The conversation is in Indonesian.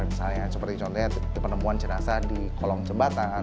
misalnya seperti contohnya penemuan jenazah di kolong jembatan